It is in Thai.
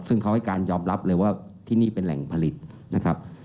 ซึ่งเขาให้การยอมรับเลยว่าที่นี่เป็นแหล่งผลิตนะครับ